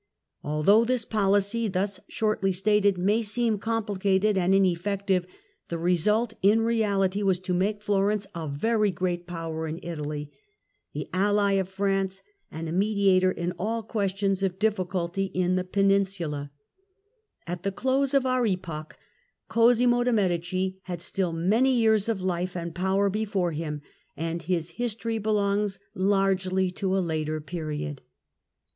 Although this policy, thus shortly stated, may seem complicated and ineffective, the result in reality was to make Florence a very great power in Italy, the ally of France, and a mediator in all questions of diffi culty in the Peninsula. 202 THE END OF THE MIDDLE AGE At the close of our epoch Cosimo de' Medici had still many years of life and power before him, and his history belongs largely to a later period.